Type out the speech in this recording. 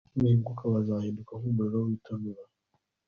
nuhinguka, bazahinduka nk'umuriro w'itanura